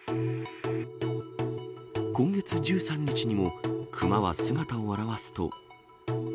今月１３日にも熊は姿を現すと。